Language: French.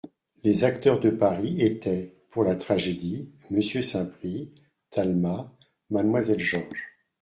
Les acteurs de Paris étaient, pour la tragédie : MMonsieur Saint-Prix, Talma ; Mademoiselle Georges.